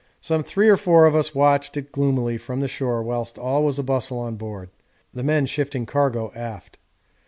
Some three or four of us watched it gloomily from the shore whilst all was bustle on board, the men shifting cargo aft.